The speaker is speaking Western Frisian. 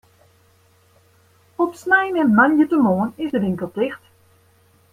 Op snein en moandeitemoarn is de winkel ticht.